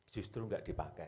justru enggak dipakai